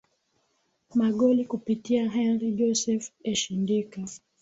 magoli kupitia henry joseph eshindika